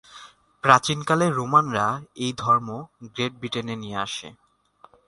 প্রাচীনকালে রোমানরা এই ধর্ম গ্রেট ব্রিটেনে নিয়ে আসে।